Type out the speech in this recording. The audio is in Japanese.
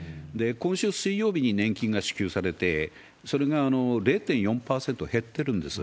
今週水曜日に年金が支給されて、それが０．４％減ってるんです。